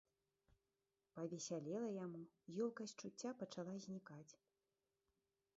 Павесялела яму, ёлкасць чуцця пачала знікаць.